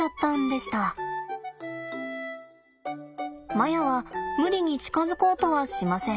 マヤは無理に近づこうとはしません。